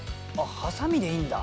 「ハサミでいいんだ？